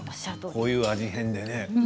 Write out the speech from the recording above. こういう味変でね